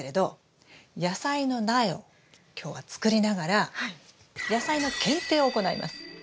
野菜の苗を今日は作りながらやさいの検定を行います。